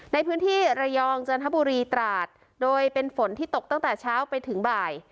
ในพื้นที่ระยองจันทบุรีตราดโดยเป็นฝนที่ตกตั้งแต่เช้าไปถึงบ่าย